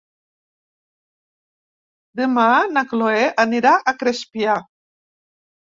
Demà na Chloé anirà a Crespià.